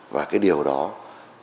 và cái việc đó mà được cấp trên chấp thuận